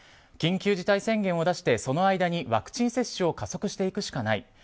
緊急事態宣言を出してその間にワクチン接種を加速していくしかない。